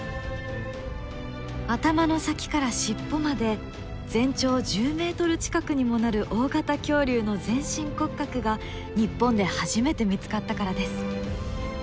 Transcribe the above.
頭の先から尻尾まで全長１０ｍ近くにもなる大型恐竜の全身骨格が日本で初めて見つかったからです。